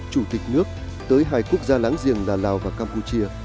chủ tịch nước tới hai quốc gia láng giềng là lào và campuchia